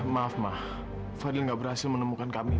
maaf mah fadhil nggak berhasil menemukan kamila